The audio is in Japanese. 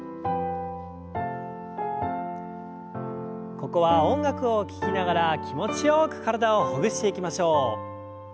ここは音楽を聞きながら気持ちよく体をほぐしていきましょう。